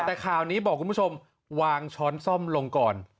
แต่ข่าวนี้บอกคุณผู้ชมวางช้อนซ่อมลงก่อน